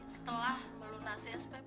setelah melunasi spp